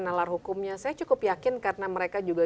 nalar hukumnya saya cukup yakin karena mereka juga